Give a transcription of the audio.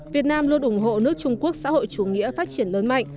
việt nam luôn ủng hộ nước trung quốc xã hội chủ nghĩa phát triển lớn mạnh